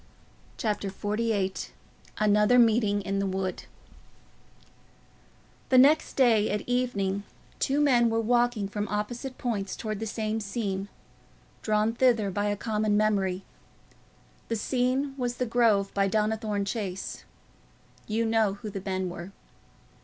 Chapter XLVIII Another Meeting in the Wood The next day, at evening, two men were walking from opposite points towards the same scene, drawn thither by a common memory. The scene was the Grove by Donnithorne Chase: you know who the men were.